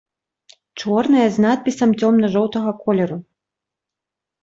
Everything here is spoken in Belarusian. Чорная з надпісам цёмна-жоўтага колеру.